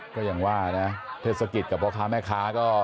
ก็อย่างว่านะเทศกิจกับพ่อค้าแม่ค้าก็